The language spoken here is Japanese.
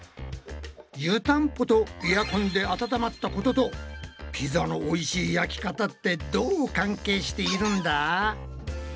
湯たんぽとエアコンで温まったこととピザのおいしい焼き方ってどう関係しているんだ？